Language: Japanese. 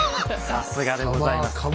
さすがでございます。